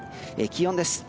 気温です。